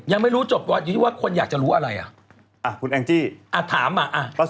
ยังไม่รู้จบวันนี้ว่าคนอยากจะรู้อะไรอ่ะคุณแองจี้อ่ะถามมาอ่ะ